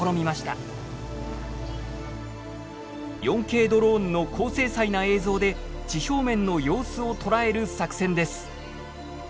４Ｋドローンの高精細な映像で地表面の様子を捉える作戦です。